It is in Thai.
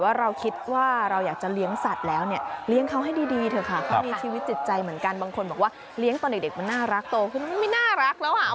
ไม่ได้ไว้จอดไม่ได้ไว้จอดค่ะ